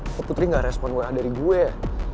aku putri gak respon wa dari gue ya